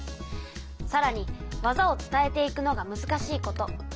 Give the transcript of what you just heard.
さらに技を伝えていくのがむずかしいこと。